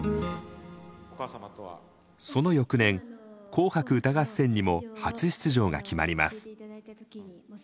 その翌年「紅白歌合戦」にも初出場が決まります。